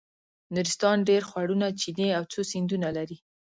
نورستان ډېر خوړونه چینې او څو سیندونه لري.